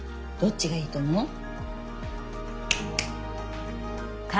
どっちがいいと思う？